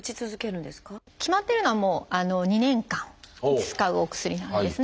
決まってるのは２年間使うお薬なんですね。